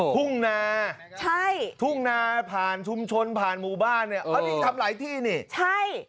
ฮุ่งนาฮุ่งนาผ่านชุมชนผ่านหมู่บ้านเนี่ยทำหลายที่นี่ใช่